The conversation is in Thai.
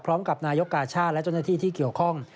พร้อมกับนายกาช่าและจุดนาฬิที่เกี่ยวข้อง